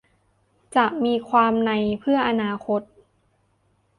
จะมีความนัยเพื่ออนาคต